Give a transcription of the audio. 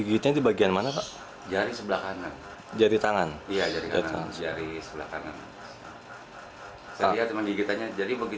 kita mungkin belum mengerti juga